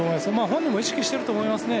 本人も意識してると思いますね。